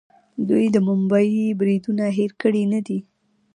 دوی د ممبۍ بریدونه هیر کړي نه دي.